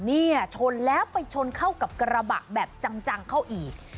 เนี่ยชนแล้วไปชนเข้ากับกระบะแบบจังเข้าอีก